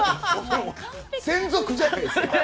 もう専属じゃないですか！